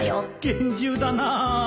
厳重だな